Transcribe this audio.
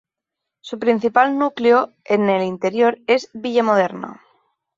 Su principal núcleo en el interior es Villa Moderna.